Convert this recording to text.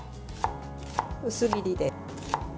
薄切りで。